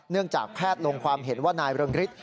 จากแพทย์ลงความเห็นว่านายเริงฤทธิ